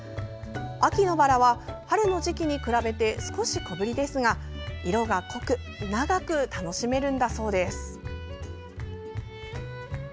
秋のバラは春の時期に比べて少し小ぶりですが色が濃く長く楽しめるんだそうです。